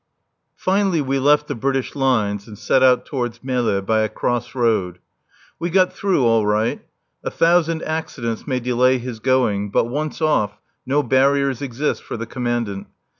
Finally we left the British lines and set out towards Melle by a cross road. We got through all right. A thousand accidents may delay his going, but once off, no barriers exist for the Commandant.